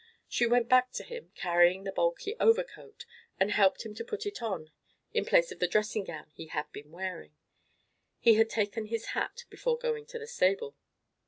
She went back to him, carrying the bulky overcoat, and helped him to put it on in place of the dressing grown he had been wearing. He had taken his hat before going to the stable.